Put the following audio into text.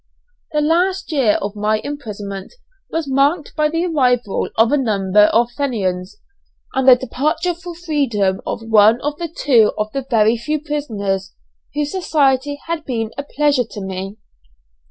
The last year of my imprisonment was marked by the arrival of a number of Fenians, and the departure for freedom of one or two of the very few prisoners whose society had been a pleasure to me.